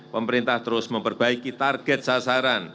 pemerintah terus memperbaiki target sasaran